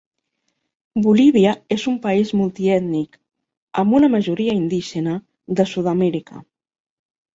Bolívia és un país multiètnic, amb una majoria indígena, de Sud-amèrica.